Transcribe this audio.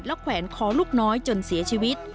แขวนคอลูกน้อยจนเสียชีวิต